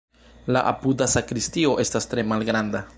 La apuda sakristio estas tre malgranda.